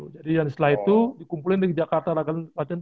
jadi yang setelah itu dikumpulin di jakarta pelatihan di ragunan